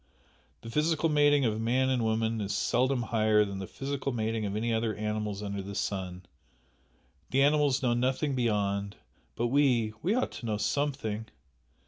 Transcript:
The physical mating of man and woman is seldom higher than the physical mating of any other animals under the sun, the animals know nothing beyond but we we ought to know something!"